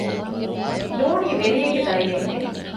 ނޫނީ ވެރިޔެއްގެ ދަރިއެއް ހެން